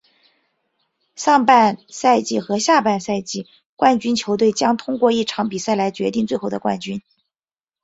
上半赛季和下半赛季冠军球队将通过一场比赛来决定最后的冠军。